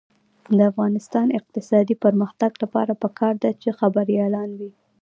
د افغانستان د اقتصادي پرمختګ لپاره پکار ده چې خبریالان وي.